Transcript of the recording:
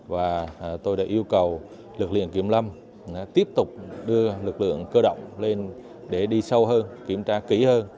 và tôi đã yêu cầu lực lượng kiểm lâm tiếp tục đưa lực lượng cơ động lên để đi sâu hơn kiểm tra kỹ hơn